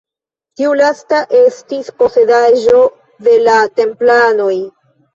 Tiu lasta estis posedaĵo de la Templanoj.